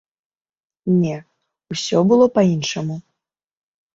Не, усё было па-іншаму.